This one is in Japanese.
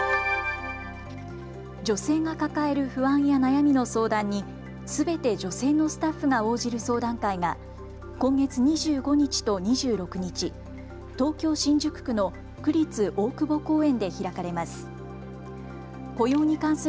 女性が抱える不安や悩みの相談にすべて女性のスタッフが応じる相談会が今月２５日と２６日、東京新宿区の区立大久保公園で開かれます。